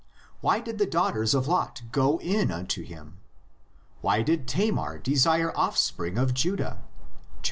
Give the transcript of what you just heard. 25.) Why did the daughters of Lot go in unto him? Why did Tamar desire offspring of Judah? (xxxvii.)